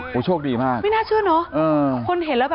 โอ้โหช่งดีมาก